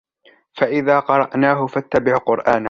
فَإِذَا قَرَأْنَاهُ فَاتَّبِعْ قُرْآنَهُ